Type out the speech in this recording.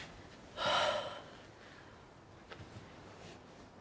はあ。